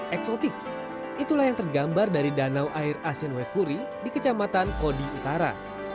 eksotik itulah yang tergambar dari danau air asin wekuri di kecamatan kodi utara